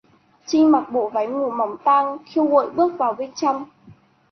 Trinh mặc bộ váy ngủ mỏng tang khiêu gợi bước vào bên trong